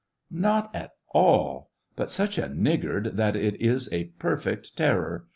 " Not at all ; but such a niggard that it is a per fect terror